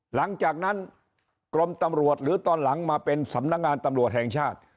หลังจากนั้นกรมตำรวจหรือตอนหลังมาเป็นสำนักงานตำรวจแห่งชาติ